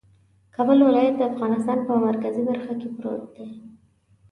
کابل ولایت د افغانستان په مرکزي برخه کې پروت دی